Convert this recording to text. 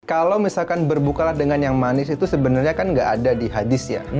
kalau misalkan berbukalah dengan yang manis itu sebenarnya kan nggak ada di hadis ya